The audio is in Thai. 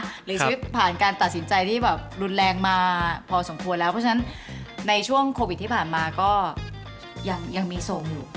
หรือชีวิตผ่านการตัดสินใจที่แบบรุนแรงมาพอสมควรแล้วเพราะฉะนั้นในช่วงโควิดที่ผ่านมาก็ยังมีส่งอยู่